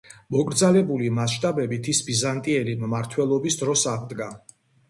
მოკრძალებული მასშტაბებით ის ბიზანტიელი მმართველების დროს აღდგა.